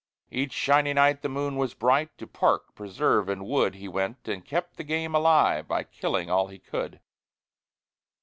Each "shiny night" the moon was bright, To park, preserve, and wood He went, and kept the game alive, By killing all he could.